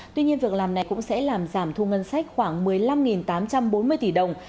tuy nhiên việc làm này cũng sẽ làm giảm thu ngân sách khoảng một mươi năm tám trăm bốn mươi tỷ đồng